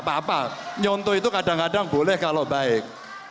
papal nyonto itu kadang kadang boleh kalau baik